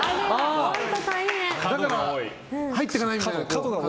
だから入っていかないんだよね。